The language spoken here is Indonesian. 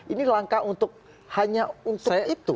ini langkah untuk hanya untuk itu